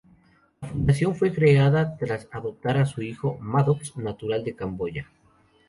La fundación fue creada tras adoptar a su hijo Maddox, natural de Camboya.